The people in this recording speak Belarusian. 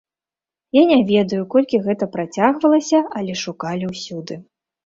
Я не ведаю, колькі гэта працягвалася, але шукалі ўсюды.